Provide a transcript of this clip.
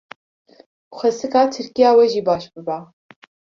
xwesika Tirkiya we jî baş biba.